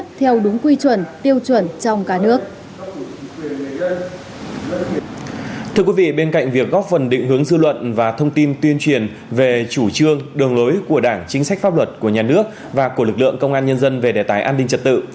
thưa quý vị bên cạnh việc góp phần định hướng dư luận và thông tin tuyên truyền về chủ trương đường lối của đảng chính sách pháp luật của nhà nước và của lực lượng công an nhân dân về đề tài an ninh trật tự